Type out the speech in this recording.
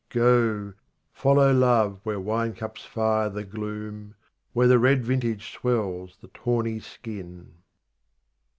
Go ! follow Love where wine cups fire the gloom, Where the red vintage swells the tawny skin.